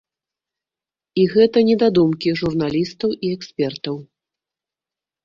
І гэта не дадумкі журналістаў і экспертаў.